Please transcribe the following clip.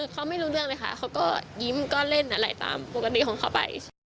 เขาไม่รู้เรื่องเลยค่ะเขาก็ยิ้มก็เล่นอะไรตามปกติของเขาไป